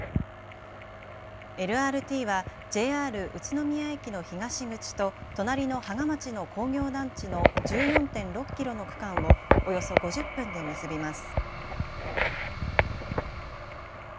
ＬＲＴはＪＲ宇都宮駅の東口と隣の芳賀町の工業団地の１４．６キロの区間をおよそ５０分で結びます。